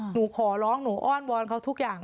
หนูขอร้องหนูอ้อนวอนเขาทุกอย่าง